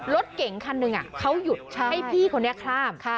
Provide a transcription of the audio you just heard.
รถเก่งคันหนึ่งเขาหยุดให้พี่คนนี้ข้าม